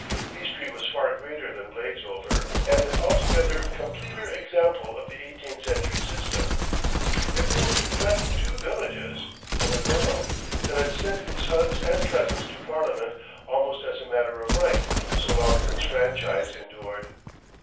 Eastry was far greater than Bladesover and an altogether completer example of the eighteenth century system. It ruled not two villages, but a borough, that had sent its sons and cousins to parliament almost as a matter of right so long as its franchise endured.